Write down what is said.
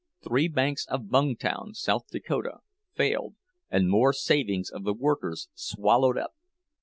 "Three banks of Bungtown, South Dakota, failed, and more savings of the workers swallowed up!"